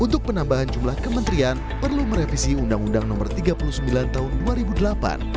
untuk penambahan jumlah kementerian perlu merevisi undang undang no tiga puluh sembilan tahun dua ribu delapan